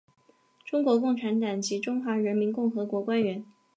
中国共产党及中华人民共和国官员。